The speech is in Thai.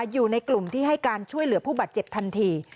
อยู่ในกลุ่มที่ให้การช่วยเหลือผู้บาดเจ็บทันที